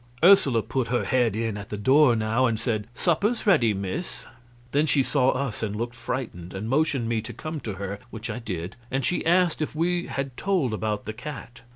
Ursula put her head in at the door now and said: "Supper's ready, miss." Then she saw us and looked frightened, and motioned me to come to her, which I did, and she asked if we had told about the cat.